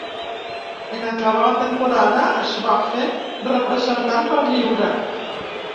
En acabar la temporada, es va fer representant per lliure.